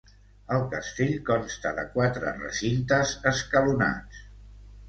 El castell consta de quatre recintes escalonats.